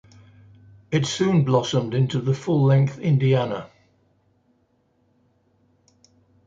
It soon blossomed into the full-length "Indiana".